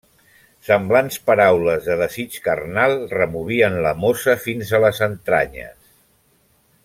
Semblants paraules de desig carnal removien la mossa fins a les entranyes.